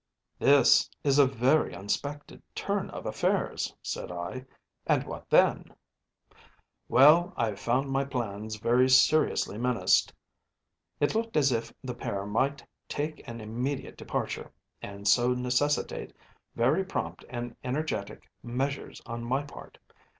‚ÄĚ “This is a very unexpected turn of affairs,‚ÄĚ said I; “and what then?‚ÄĚ “Well, I found my plans very seriously menaced. It looked as if the pair might take an immediate departure, and so necessitate very prompt and energetic measures on my part.